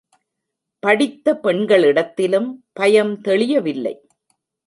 படித்த பெண்களிடத்திலும் பயம் தெளியவில்லை.